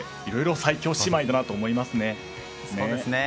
いろいろ最強姉妹だなと思いますね。